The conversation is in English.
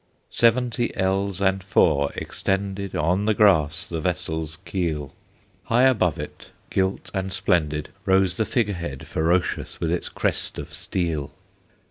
Seventy ells and four extended On the grass the vessel's keel; High above it, gilt and splendid, Rose the figure head ferocious With its crest of steel.